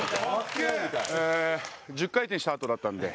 １０回転したあとだったんで。